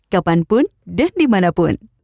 kapan pun dan dimanapun